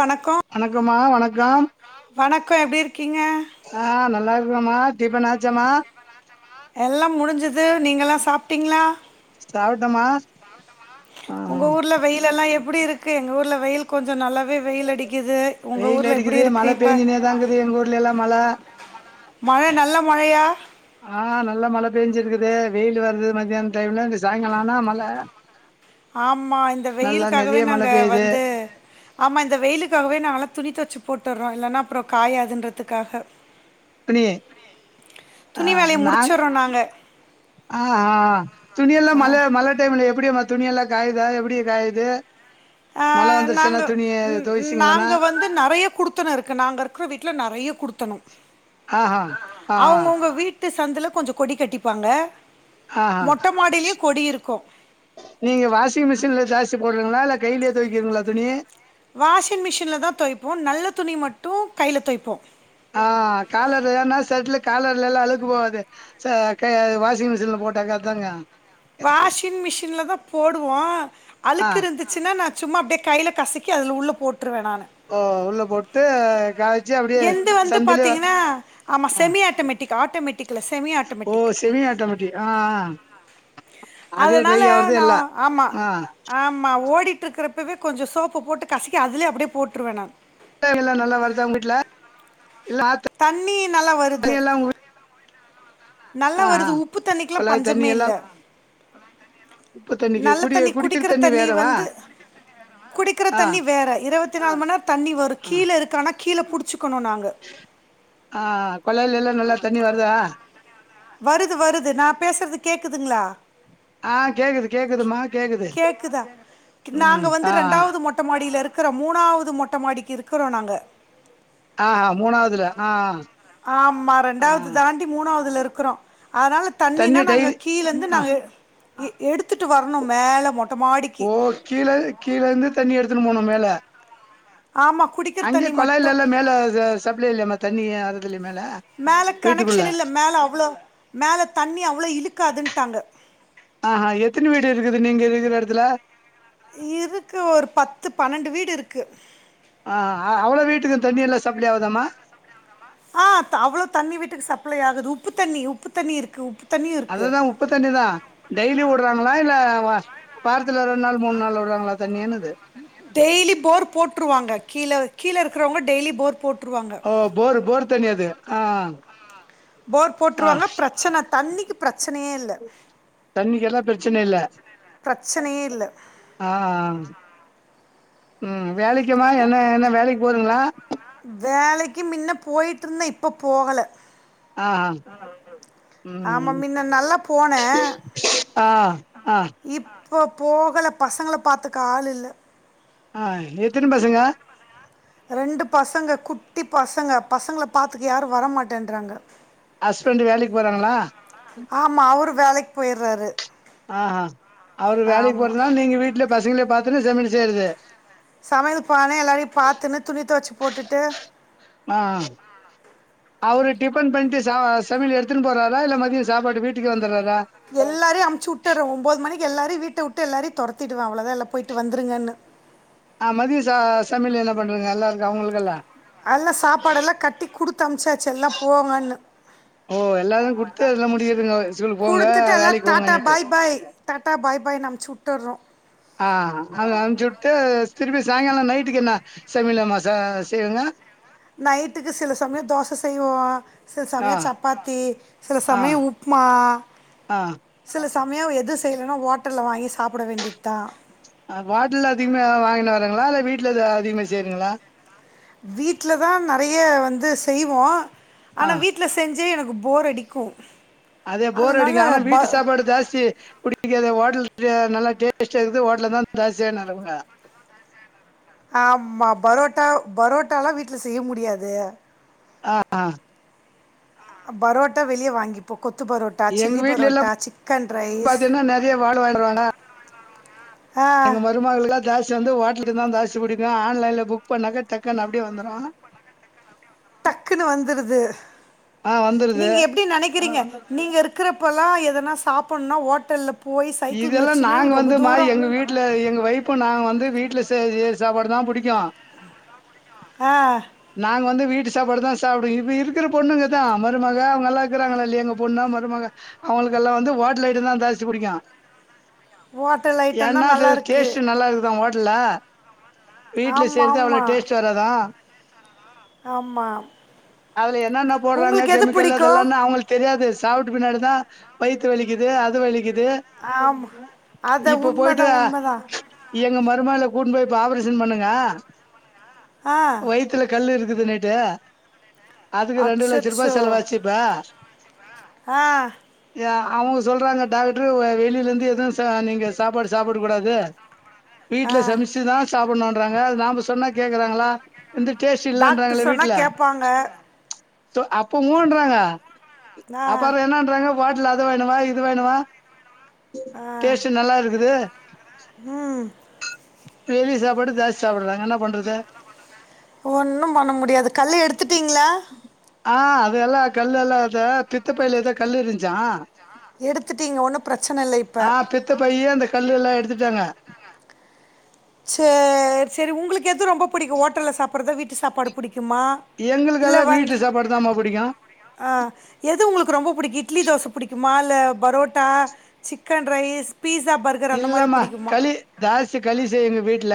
வணக்கோ வணக்கோ மா வணக்கொ வணக்கோ எப்பிடி இருக்கீங்க ஆ நல்லா இருக்கற மா டிஃபன் ஆச்சாமா எல்லா முடுஞ்சிது நீங்கெல்லா சாப்ட்டீங்களா சாப்ட்டமா உங்க ஊர்ல வெயில் எல்லா எப்பிடி இருக்கு எங்க ஊர்ல வெயில் கொஞ்சோ நல்லாவே வெயில் அடிக்குது உங்க வெயில் ஊர்ல எப்பிடி அடிக்குது இருக்கு மழ பேஞ்சுனேதாங்குது எங்க ஊர்ல எல்லா மழ மழ நல்ல மழையா ஆ நல்லா மழ பெஞ்சிருக்குது வெயில் வருது மத்தியானோ டைம்ல இந்த சாய்ங்காலோ ஆனா மழ ஆமா இந்த நல்லா வெயிலுக்காகவே நெறைய மழ நாங்க பெய்யுது வந்து ஆமா இந்த வெயிலுக்காகவே நாங்க எல்லா துணி துவச்சு போட்டர்றோ இல்லன்னா அப்பறோ காயாதுன்றதுக்காக துணி ஆ துணி வேலய நாங் முடிச்சற்றோ நாங்க ஆ ஆ துணியெல்லா மழ மழ டைம்ல எப்பிடி வ துணி எல்லா காயுதா எப்பிடி இது காயுது ஆ மழ வந்துருச்சுன்னா நாங்க துணிய துவைச்சிங்களன்னா நாங்க வந்து நறையா குடு த்தன இருக்கு நாங்க இருக்ற வீட்ல நறையா குடுத்தணொ ஆஹா ஆ அவ்ங்கவ்ங்க வீட் வீட்டு சந்துல கொஞ்சொ கொடி கட்டிப்பாங்க ஆ ஆ மொட்டை மாடியிலையும் கொடி இருக்கும் நீங்க வாஷிங் மிஷின்ல ஜாஸ்தி போட்றீங்களா இல்ல கைலயே தொவெக்கிறங்களா துணி வாஷிங் மிஷின்ல் தா தொய்ப்போ நல்ல துணிய மட்டு கைல தொய்ப்போ ஆ காலர் எனா செட்ல காலர்ல எல்லா அழுக்கு போகாது வாஷிங் மிஷின்ல போட்டாக்கா தாங்க வாஷிங் மிஷின்ல தா போடுவோ ஆ அழுக்குருந்து சின்னா நா சும்மா அப்டியே கையில கசிக்கி அதுல உள்ள போட்ருவ நானு ஆ உள்ள போட்டு காய் எந்து வந்து பாாத்தீங்ன்னா ஆமா ஆ செமி ஆட்டமெட்டிக் ஆட்டமெட்டிக் ஓ செமி ஆட்டோமேட்டிக் அ அ அதனால நா ஆமா ஆ ஆமா ஓடிட்ருக்கிறப்பவே கொஞ்சோ சோப்பு போட்டு கசக்கி அதுலே அப்படியே போட்ருவே நா [unintelligible] ல்லா நல்லா வருதா உங்க வீட்ல இல்ல ஆத்து தண்ணி நல்லா வருது தண்ணி எல்லா உங்க வீட் நல்லா ஆ ஆ வருது உப்பு தண்ணிக்கில்லா குழாய் தண்ணி பஞ்சமே எல்லா இல்ல உப்பு தண்ணிக்கு நல்ல குடி தண்ணி குடிக்கிற தண்ணி வேறவா வந்து குடிக்கிற ஆ தண்ணி வேற இரவத்தி நாலு மண் நேர் தண்ணி வரும் ஆ கீழ இருக்கனா கீழ புடிச்சுக்கணு நாங்க ஆ கொழய்லல்லா நல்லா தண்ணி வருதா வருது வருது நா பேசுறது கேக்குதுங்ளா ஆ கேக்குது கேக்குதுமா கேக்குது கேக்குதா நாங்க ம் வந்து ஆ ரெண்டாவ்து மொட் மொட்ட மாடியில இருக்கற மூணாவ்து மொட்டமாடிக்கு இருக்குறோ நாங்க அ அ மூணாவ்துல அ அ ஆமா ரெண்டாவ்து தாண்டி மூணாவ்துல இருக்குறோ அதனால தண்ணினா தண்ணி நாங்க டெய்லி கீழந்து ஆ நாங்க எடுத்துட்டு வர்ணு மேல மொட் ஓ கீழ கீழந்து தண்ணி எடுத்துன்னு போனும் மேல ஆமா குடிக்கிற அங்கே தண்ணி மட்டும் கொழாய்லல்லா மேல ச சப்ளை இல்யாமா தண்ணி ஏன் ஏறதில்ல மேல மேல வீட்டுக்குள்ள கனெக்ஷன் இல்ல மேல அவ்ளோ மேல தண்ணி அவ்ளோ இழுக்காதுன்ட்டாங்க அ ஆ எத்தன் வீடு இருக்குது நீங்க இருக்குற எடத்துல இருக்கு ஒரு பத்து பன்னெண்டு வீடு இருக்கு ஆ அவ்ளோ வீட்டுக்கு தண்ணியெல்லா சப்ளே ஆவுதாம்மா ஆ அவ்ளோ தண்ணி வீட்டுக்கு சப்ளை ஆகுது உப்பு தண்ணி உப்பு தண்ணி இருக்கு உப்பு தண்ணியும் இருக்குது அதுதா உப்பு தண்ணி தா டெய்லி விட்றாங்களா இல்ல வார்த்துல ரெண்நாள் மூண் நாள்ல விட்றாங்களா தண்ணியென்னுது டெய்லி போர்ரு போட்ருவாங்க கீழ கீழ இருக்கறவங்க டெய்லி போர் போட் ட்ருவாங்க ஓ போரு போர் தண்ணி அது ஆ போர் ஆ போட்ருவாங்க பிரச்சன தண்ணிக்கு பிரச்சனயே இல்ல தண்ணிக்கெல்லா பிரச்சன இல்ல பிரச்சனையே இல்ல ஆ அ ம் வேலைக்கமா என்ன என்ன வேலைக் போதுங்ளா வேலைக்கு மின்ன போயிட்ருந்த இப்ப போகல அ அ ஆமா மின்ன நல்லா போன ஆ ஆ இப்போ போகல பசங்கள பாத்துக்க ஆள் இல்ல ஆ எத்தின் பசங்க ரெண்டு பசங்க குட்டி பசங்க பசங்கள பாத்துக்க யாரும் வரமாட்டேன்றாங்க ஹஸ்பண்ட்டு வேலைக் போறாங்ளா ஆமா அவுரு வேலைக் போயிர்வாரு அ ஆ அவரு வேலைக் போறதுனால நீங்க வீட்ல பசங்ள பாத்துன்னு சமயல் செய்றது சமையல் பானே எல்லாரையும் பாத்துன்னு துணி தொவச்சி போட்டுட்டு அ அ அவரு டிஃபன் பண்ட்டு சா சமையல் எடுத்துன் போறாரா இல்ல மதிய சாப்பாட்டு வீட்டுக்கே வந்துறாரா எல்லாரையு அம்ச்சுஉட்டாரு ஒம்போது மணிக்கு எல்லாரையு வீட்ட உட்டு எல்லாரையு தொரத்திடுவ அவ்வுளோதா எல்லா போயிட்டு வந்துருங்கண்ணு ஆ மதிய சா சமையல் எல்லா பண்றங்க எல்லாருக்கு அவங்களுக்கெல்லா எல்லா சாப்பாடெல்லா கட்டி குடுத்து அனுப்ச்சாச்சி எல்லா போங்கோனு ஓ எல்லாரு குடுத்து அதுல முடிக்கிறதுங்க ஸ்கூலுக்கு போங்க குடுத்துட்டு எல்லா வேலைக்கு தாட்டா போங்கன்னுட்டு பாய் பாய் டாட்ட பாய் பாய்னு அம்ச்சுவுட் உட்டுர்ரோ ஆ அத அம்சிவுட் டு திருப்பி சாயங்காலோ நைட்டுக்கு என்ன சமையல மச செய்விங்க நைட்டுக்கு சில சமயோ தோச செய்வோ சில ஆ சமயோ சப்பாத்தி சில ஆ சமயோ உப்மா ஆ சில சமயோ எது செய்யலைனா ஹோட்டல்ல வாங்கி சாப்பிட வேண்டியதுதா ஹோட்டல அதிகமா வாங்கினு வரிங்களா இல்ல வீட்டுல அதிகமா செய்றிங்ளா வீட்ல தா வந்து நெறைய வந்து செய்வோ ஆ ஆனா வீட் வீட்ல செஞ்சி எனக்கு போர் அடிக்கு அதே போர் அடிக்கு ஆனா வீட்டு சாப்பாடு ஜாஸ்தி குடி இதுக்கு அது ஹோட்டல் து நல்லா டேஸ்ட்டா இருக்குது ஹோட்டல தா தாசித்தியா நாங்க ஆமா பரோட்டா பரோட்டாலா வீட்ல செய்ய முடியாது ஆ ஆ பரோட்டா வெளியே வாங்கிப்போ இப்ப கொத்து பரோட்டா எங்க சில்லி வீட்ல எல்லாம் பரோட்டா சிக்கன் ரைஸ் பாத்தீங்கன்னா நெறைய வாழ வாங்கிடுவாங்க ஆ பெருமளுல்லா ஜாஸ்தி வந்து ஹோட்டலக்கு தா ஜாஸ்தி புடிக்கு ஆன்லைன்ல புக் பண்ணாக்கா டக்குன்னு அப்படியே வந்துரு டக்குன்னு வந்துருது ஆ வந்துருது நீங்க எப்டி நெனைக்கிறீங்க நீங்க இருக்கிறப்பலா எதனா சாப்புடுணுனா ஹோட்டல்ல இதெல்லா நாங்க வந்து மா எங்க வீட்ல எங்க வைய்ப் இப்போ நாங்க வந்து வீட்ல செய்ர சாப்பாடு தா புடிக்கு ஆ நாங்க வந்து வீட்டு சாப்பாடு தா சாப்டுங்க இப்ப இருக்கிற பொண்ணுங்க தா மருமக அவங்கல்லா இருக்கிறாங்களா இல்லயா எங்க பொண்ணா மருமக அவங்களுக்கு எல்லா வந்து ஓட்டல் ஐடோதா ஜாஸ்தி புடிக்கு ஓட்டல் ஐ ஏன்னா அது டேஸ்டு நல்லா இருக்குதா ஹோட்டல்ல வீட்ல ஆமாம் செய்றது அவ்வளோ ஆமாம் டேஸ்ட் வராது தா ஆமாம் அதுல என்னன்ன போடுறாங்க உங்களுக்கு எது கெமிக்கல் அதெல்லா பிடிக்கும் நா அவங்களுக்கு தெரியாது சாப்பிட்டு பின்னாடி தா வயித்து வலிக்குது அது வலிக்குது ஆமா அதா இப்ப போயிட்டு உண்மதா உண்மதா எங்க மருமகல கூட்னு போய் இப்ப ஆப்ரேஷன் பண்ணுங்க ஆ வைப் வயித்துல கல்லு இருக்குதுன்னுட்டு அதுக்கு ரெண்டு லட்சோரூபா அச்சச்சோ செலவாச்சு இப்ப ஆ அவங்க சொல்றாங்க டாக்டரு வெளியில இருந்து எதுவு நீங்க சாப்பாடு சாப்பிட கூடாது ஆ வீட்டுல சமச்சுதா சாப்புடுணூண்றாங்க நாம சொன்னா கேக்குறாங்களா வந்து டேஸ்ட் டாக்டர் இல்லேன்றாங்களே சொன்னால் வீட்டுல கேட்பாங்க அப்ப மூன்றாங்க ஆ அப்புறோ என்னன்றாங்க ஹோட்டல்ல அத வாங்கினு வா இது வாங்கினுவா ஆ டேஸ்ட்டு நல்லா இருக்குது ம் டெய்லி சாப்பாடு தாளிச்ச சாப்பிடுதாங்க என்ன பண்றது ஒன்னு பண்ண முடியாது கல்ல எடுத்துட்டீங்களா ஆ அது எல்லா கல்லெல்லா அந்த பித்த பைல ஏதோ கல்லு இருந்ச்சா எடுத்துட்டீங்க ஒண்ணு பிரச்சன இல்ல இப்ப இப்ப பையு அந்த கல்லு எல்லா எடுத்துட்டாங்க சேரி சேரி உங்களுக்கு எது ரொம்ப பிடிக்கு ஹோட்டலில சாப்பிட்றதா வீட்டு சாப்பாடு புடிக்குமா எங்களுக்கெல்லா வீட்டு சாப்பாடு தாம்மா பிடிக்கு ஆ எது உங்களுக்கு ரொம்ப பிடிக்கு இட்லி தோச பிடிக்குமா இல்ல parotta chicken rice pizza burger இல்லமா களி லாஸ்டு களி செய் எங்க வீட்ல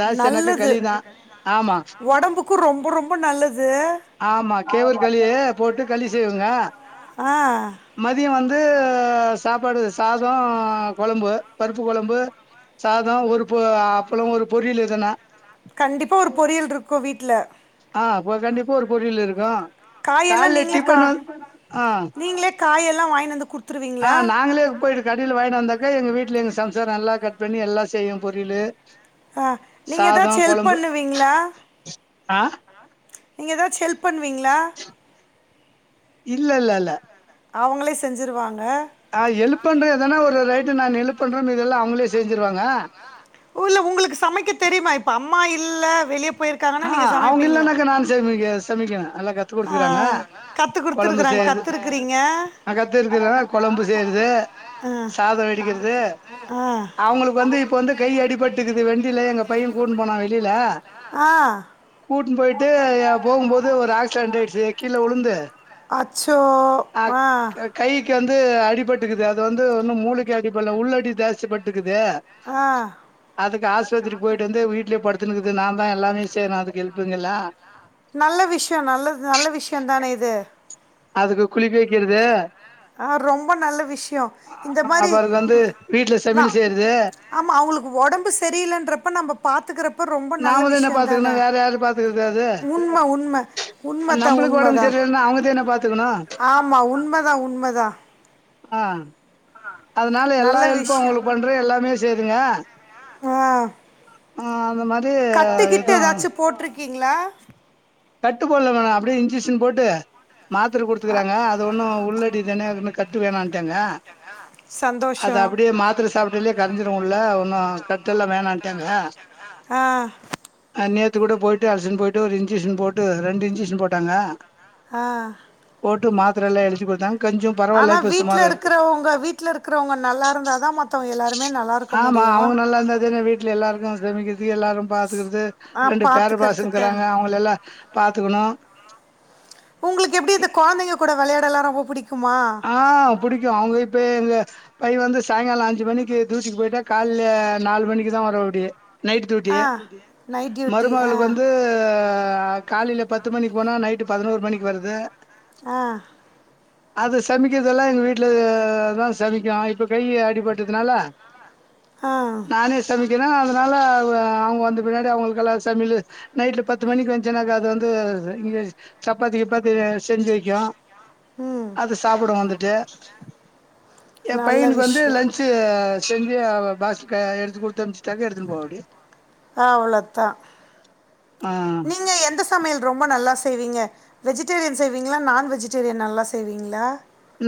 ஜாஸ்தினாக்க நல்லது களி தான் ஆமா உடம்புக்கு ரொம்ப ரொம்ப நல்லது ஆமா கேவல் களி போட்டு களி செய்வேங்க ஆ மதியோ வந்து சாப்பாடு சாதோ கொழம்பு பருப்பு கொழம்பு சாதோ ஒரு பொ அப்பளம் ஒரு பொரியல் எதுன்னா கண்டிப்பாக ஒரு பொரியல்ருக்கு வீட்ல ஆ போ கண்டிப்பா ஒரு பொரியல் இருக்கு காயெல்லா கால்ல நீங்களே கா டிஃபன் வந் ஆ நீங்களே காயெல்லா வாங்கினு வந்து குடுத்து ஆ நாங்களே போய்டு கடில வாங்கினு வந்தாக்கா எங்க வீட்ல எங்க சம்சாரோ நல்லா கட் பண்ணி எல்லா செய்யு பொரியலு ஆ நீங்க சாதோ எதாச்சு ஹெல்ப் கொழம்பு பண்ணுவிங்களா ஆ நீங்க ஏதாச்சு ஹெல்ப் பண்ணுவீங்ளா இல்ல இல்லல்ல அவுங்களே செஞ்சுருவாங்க ஆ எழுப் பண்றே தான ஒரு ரைட்டு நா எழுபணுனு இதெல்லா அவுங்களே செஞ்சுருவாங்க ஓ இல்ல உங்களுக்கு சமைக்க தெரியுமா இப்ப அம்மா இல்ல வெளிய போய்ருக் ஆ அவுங்க இல்லனாக்கா நானு சமக்க சமக்கனு எனக்கு ஆ கத்து குடுத்துருக்கறாங்க கத்துருக்கிறீங்க நா கத்துருக்குறது கொழம்பு செய்றது ஆ சாதோ வடிக்கிறது ஆ அவுங்களுக்கு வந்து இப்ப வந்து கை அடிபட் டுக்குது வெண்டில எங்க பையே கூட்டுனு போனா வெளில ஆ கூட்டுனு போய்ட்டு போம்போது ஒரு ஆக்சிடன்ட் ஆய்டுச்சு கீழ உழுந்து சோ ஆ கைக்கு வந்து அடிபட்டுக்குது அது வந்து ஒன்னு மூளைக்கு அடிபடல உள்ளடி ஜாஸ்தி பட்டுக்குது ஆ அதுக்கு ஆஸ்பத்திரி போய்ட்டு வந்து வீட்லே படுத்துனுக்குது நா தா எல்லாமே செய்றே அதுக்கு ஹெல்ப்புக்கு எல்லா நல்ல விஷயோ நல்லது நல்ல விஷயோ தானே இது அதுக்கு குளிக்க வைக்கிறது ஆ ரொம்ப நல்ல விஷயோ இந்த மாரி அவருக்கு வந்து வீட்ல நா சமையல் செய்யறது ஆமா அவுங்களுக்கு உடம்பு சரியில்லன்றப்ப நம்ம பாத்துக்கிறப்ப ரொம்ப நல்ல நாம விஷயோ பாத்துக்கணு தான வேற யாரு பாத்துக்கறது உண்ம உண்ம அது உண்மத்தா நம்மளுக்கு ஒடம்பு உண்மதா சரியில்லன்னா அவங்க தான பாத்துக்கணு ஆமா உண்மதா உண்மதா ஆ அதனால எல்லா நல்ல ஹெல்ப்பூ விஷயம் அவுங்களுக்கு பண்ற எல்லாமே சேய்ரீங்க ஆ அ அந்தமாரி எதூவ் க்கிங்ளா கட்டு போட்லமா அப்டியே இன்ஜெசன் போட்டு மாத்திர குடுத்துக்குறாங்க அது ஒன்னூ உள்ளடி தான அது கட்டு வேணான்ட்டாங்க அது சந்தோஷம் அப்டியே மாத்தர சாப்ட்டாலே கரஞ்சிரூ உள்ள ஒன்னூ கட்டெல்லா வேணான்ட்டாங்க அ அ நேத்து கூட போயிட்டு அழச்சின் போயிட்டு ஒரு இன்ஜெசன் போட்டு ரெண்டு இன்ஜெசன் போட்டாங்க ஆ போட்டு மாதிரல்லா எழுதி குடுத்தாங் ஆனா வீட்ல இருக்கிறவங்க வீட்ல இருக்கிறவங்க நல்லா இருந்தாதா மத்தவங்க எல்லாருமே நல்லா இருக் ஆமா அவுங்க நல்லா இருந்தாதான வீட் ட்ல எல்லாருக்கூ சமைக்கிறதுக்கு எல்லாரு பாத்துக்கிறது ஆ ரெண்டு பேர பாத்துக்கிறதுக்கு பசங்க்கிறாங்க அவுங்கலல்லா பாத்துக்கனோ உங்களுக்கு எப்டி இந்த கொழந்தைங்க கூட விளையாட எல்லா ரொம்ப பிடிக்குமா ஆ புடிக்கோ அவுங்க இப்போ எங்க பைய வந்து சாயங்காலோ அஞ்சு மணிக்கு த்துயூட்டிக்கு போயிட்டா கால்ல நாலு மணிக்கு தா வரவாப்புடி நைட் டியூட்டி ஆ நைட் டியூட்டி ஆ மருமகளுக்கு வந்து காலயில பத்து மணிக்கு போனா நைட்டு பதினோரு மணிக்கு வருது அ அது சமைக்கர்தெல்லா எங்க வீட்ல தா சமைக்கோ இப்ப கை அடிபட்டதுனால ஆ நானே சமைக்கனோ அதனால அவுக அவுங்க வந்த பின்னாடி அவுங்களுக்கெல்லா சமையலு நைட் பத்து மணிக்கு வந்ச்சின்னக்கா அது வந்து இஙகய்ச் சப்பாத்தி கிப்பாத்தி செஞ்சு வைக்கோ ம் அது சாப்புடூ வந்துட்டு ஏ நல்ல பையனுக்கு வந்து விஷயம் லன்ச்சு செஞ்சு அவ பாஸ்க் க எடுத்து குடுத்தனுப்ச்சிட்டாக்கா எடுத்துன்னு போவாப்புடி ஆவ் ளோத்தா அ நீங்க எந்த சமையல் ரொம்ப நல்லா செய்வீங்க வெஜிடேரியன் செய்வீங்ளா நான் வெஜிடேரியன் நல்லா செய்வீங்ளா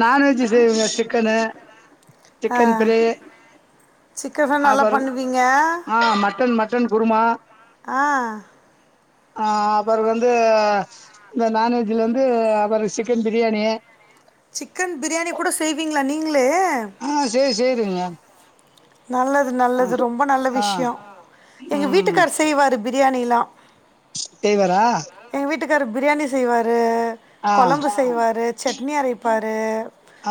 நான்வெஜ் செய்வேங்க சிக்கனு அ சிக்கன் ஃப்ரை சிக்கர்லா நல்லா பண்ணுவீங்க சிக்கன் குருமா அ அ அப்பறோ வந்து இந்த நான்வெஜ்ல வந்து அப்பறோ சிக்கன் பிரியாணி சிக்கன் பிரியாணி கூட செய்வீங்ளா நீங்களே அ செய்வெ செய்யூறங்க நல்லது நல்லது ரொம்ப நல்ல ஆ விஷ்யோ எங்க ம் வீட்டுக்காரர் செய்வாரு பிரியாணில்லா செய்வாரா எங்க வீட்டுக்காரு பிரியாணி செய்வாரு ஆ கொழம்பு செய்வாரு சட்னி அரைப்பாரு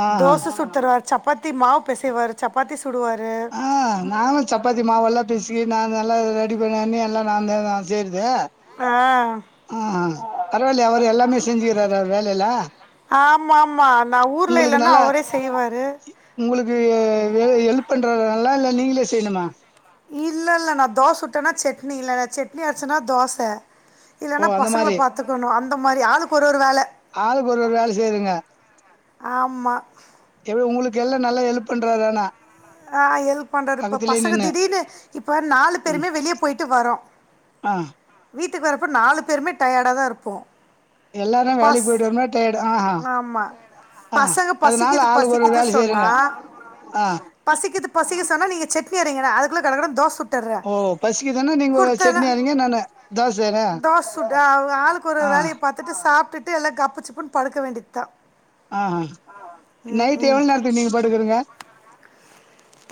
ஆஹா தோச சுட்த்தருவார் சப்பாத்தி மாவு பெசைவார் சப்பாத்தி சுடுவார் அ நானோ சப்பாத்தி மாவல்லா பெசைய நா நல்லா டிஃபன்ல்லர்ந்து எல்லா நாந்தா நா செய்றது அ ஆ பரவால்லயே அவரு எல்லாமே செஞ்சுக்கறாரே அவர் வேலையல்லா ஆமா ஆமா நா ஊர்ல இல்லன்னா அவரே செய்வாரு உங்களுக்கு எ எல்ப் பண்றாரா நல்லா இல்ல நீங்களே செய்யணுமா இல்லல்ல நா தோச சுட்டேன்னா சட்னி இல்ல நா சட்னி அரச்சேன்னா தோச இல்லன்னா ஓ அந்த பசங்கள மாரி பாத்துக்கணு அந்த மாரி ஆளுக்கு ஒரு ஒரு வேல ஆளுக்கு ஒரு ஒரு வேல செய்றீங்க ஆமா எப்பிடி உங்களுக்கு எல்லா நல்ல ஹெல்ப் பண்றாரு ஆனா ஆ ஹெல்ப் பண்றாரு இப்ப பக்கத்துலயே பசங்க நின்னு திடீர்னு இப்ப நாலு ம் பேருமே வெளிய போயிட்டு வரோ ஆ வீட்டுக்கு வரப்ப நாலு பேருமே டயேடாதா இருப்போ எல்லாரு வேலைக்கி போயிட்டு வரனால டயேடு ஆ ஹா ஆமா ஆ பசங்க அதனால பசிக்குது ஆளுக்கு ஒரு பசிக்குது வேல செய்றீங்க ஆ பசிக்கிது பசிக்கிது சொன்னா நீங்க சட்னி அரைங்க நா அதுக்குள்ள கடகடன்னு தோச சுட் டர்ற நீங்க குடுத்தன்னா சட்னி அரைங்க நானு தோசைனா தோச சுட அவங்க ஆளுக்கு ஒரு ஆ வேலைய பாத் துட்டு சாப்ட்டுட்டு எல்லா கப்பு சிப்புன்னு படுக்க வேண்டியதுதா ஆ ஹா ம் ம் நைட்டு எவ்ளோ நேரத்துக்கு நீங்க படுக்குறீங்க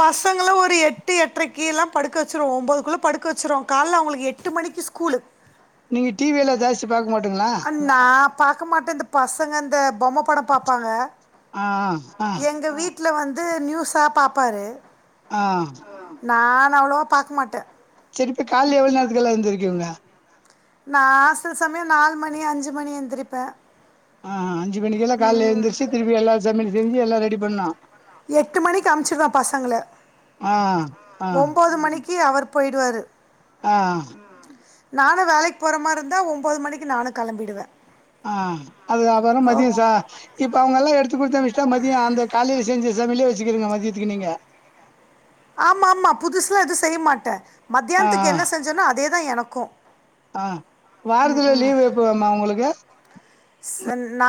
பசங்கள ஒரு எட்டு எட்ரைக்கெல்லா படுக்க வச்சுருவோ ஒம்போதுக்குள்ள படுக்க வச்சுருவோ கால்ல அவுங்களுக்கு எட்டு மணிக்கி ஸ்கூலு நீங்க டி வி எல்லா ஜாஸ்தி பாக்க மாட்டீங்களா அ நா பாக்க மாட்டே இந்த பசங்க இந்த பொம்ம படோ பாப்பாங்க ஆ ஆ எங்க வீட்ல வந்து நியூஸா பாப்பாரு ஆ நானு அவ்ளவா பாக்க மாட்டே செரி இப்ப கால்ல எவ்ளவு நேரத்துக்கெல்லா எந்திரிக்குங்க நா சில சமயோ நாலு மணி அஞ்சு மணி எந்திரிப்பே ஆ ஆ அஞ்சு மணிக்கெல்லா ம் கால்ல எந்திரிச்சு திருப்பி எல்லா சமையல் செஞ்சு எல்லா ரெடி பண்ணணு எட்டு மணிக்கி அன்ப்ச்சிருவே பசங்கள ஆ ஆ ஒம்போது மணிக்கி அவர் போயிடுவாரு ஆ நானு வேலைக்கி போற மார இருந்தா ஒம்போது மணிக்கி நானு கெளம்பிடுவே ஆ அதுக்கு அப்பறோ மதியோ சா இப்ப அவங்கல்லா எடுத்து குடுத்து அனுப்ச்சிட்டா மதியோ அந்த காலைல செஞ்ச சமையலயே வச்சுக்கிருவீங்க மதியத்துக்கு நீங்க ஆமா ஆமா புதுசா எது செய்ய மாட்டே ஆ மத்தியானத்துக்கு என்ன செஞ்சேனோ அதேதா எனக்கு ஆ வாரத்துல லீவ் எப்போமா உங்களுக்கு சன் நா